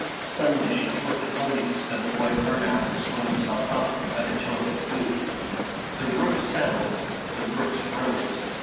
Suddenly she flicked the ponies so that the boy Curnow had to swing himself up by the toe of his boot. The rooks settled; the rooks rose.